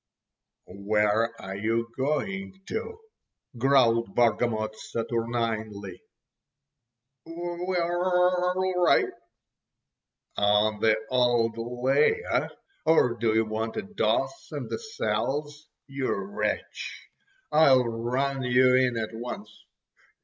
"Where are you going to?" growled Bargamot saturninely. "We're orl righ'!" "On the old lay, eh? Or do you want a doss in the cells. You wretch, I'll run you in at once."